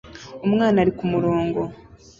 Umwana ari kumurongo